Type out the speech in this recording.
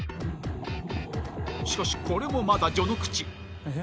しかし、これもまだ序の口。